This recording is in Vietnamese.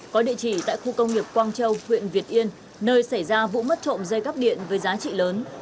có địa chỉ tại khu công nghiệp quang châu huyện việt yên nơi xảy ra vụ mất trộm dây cắp điện với giá trị lớn